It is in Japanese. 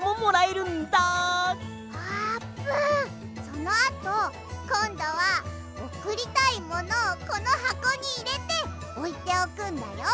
そのあとこんどはおくりたいものをこのはこにいれておいておくんだよ。